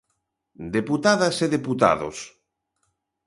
Deputadas e deputados.